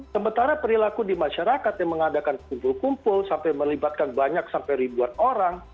sementara perilaku di masyarakat yang mengadakan kumpul kumpul sampai melibatkan banyak sampai ribuan orang